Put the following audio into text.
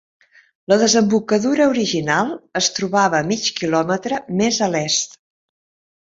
La desembocadura original es trobava mig kilòmetre més a l'est.